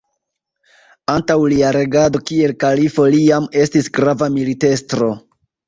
Antaŭ lia regado kiel kalifo li jam estis grava militestro.